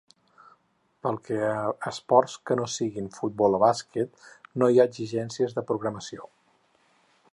Pel que a esports que no siguin futbol o basquet, no hi ha exigències de programació.